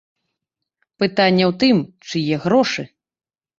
Пытанне ў тым, чые грошы.